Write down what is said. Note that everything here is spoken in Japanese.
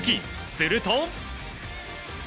すると。